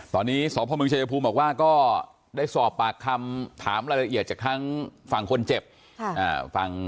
ตอนนี้สมพลเมืองเฉพาะบอกว่าก็ได้สอบปากคำถามรายละเอียดจะค้างฟังคนเจ็บฝั่ง